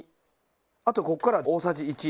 あとここからは大さじ１。